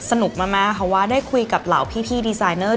สนุกมากเพราะว่าได้คุยกับเหล่าพี่ดีไซนเนอร์